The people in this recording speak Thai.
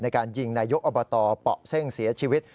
ในการยิงนายกอบตเปาะเส้งเสียชีวิต